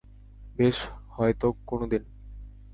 বেশ, হয়তো কোনোদিন।